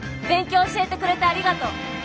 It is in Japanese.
勉強教えてくれてありがとう！